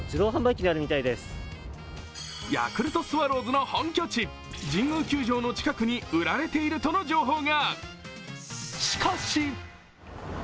ヤクルトスワローズの本拠地、神宮球場の近くに売られているとの情報が。